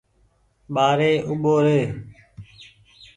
ٻآري اوٻو ري۔